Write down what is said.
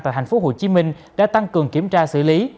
tại tp hcm đã tăng cường kiểm tra xử lý